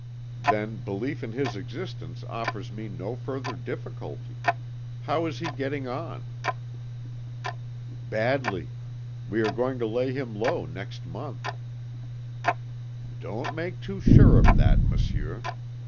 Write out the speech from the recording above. Then belief in his existence offers me no further difficulty. How is he getting on?" "Badly! We are going to lay him low next month." "Don't make too sure of that, Monsieur.